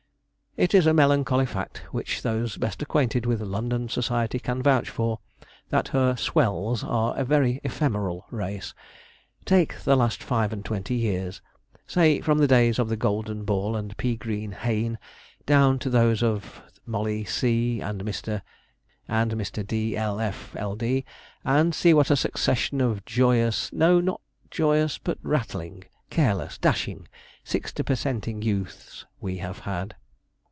It is a melancholy fact, which those best acquainted with London society can vouch for, that her 'swells' are a very ephemeral race. Take the last five and twenty years say from the days of the Golden Ball and Pea green Hayne down to those of Molly C l and Mr. D l f ld and see what a succession of joyous no, not joyous, but rattling, careless, dashing, sixty percenting youths we have had.